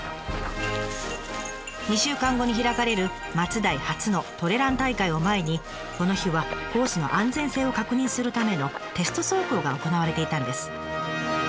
２週間後に開かれる松代初のトレラン大会を前にこの日はコースの安全性を確認するためのテスト走行が行われていたんです。